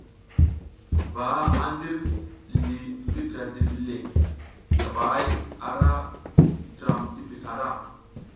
Ba a ndir li ngi dra dibiɗ le, ngaba hay gar ara dra dibiɗ ara.